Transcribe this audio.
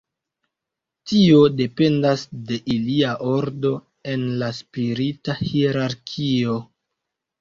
Tio dependas de ilia ordo en la spirita hierarkio.